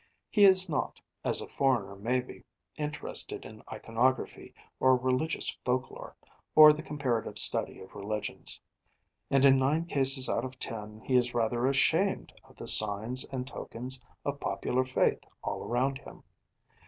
He is not, as a foreigner may be, interested in iconography, or religious folklore, or the comparative study of religions; and in nine cases out of ten he is rather ashamed of the signs and tokens of popular faith all around him.